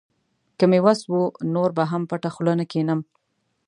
که مې وس و، نور به هم پټه خوله نه کښېنم.